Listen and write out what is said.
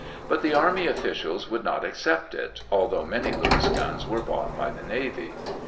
But the army officials would not accept it, although many Lewis guns were bought by the navy.